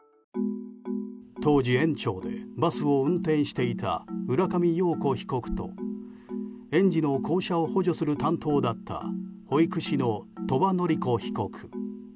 当時、園長でバスを運転していた浦上陽子被告と園児の降車を補助する担当だった保育士の鳥羽詞子被告。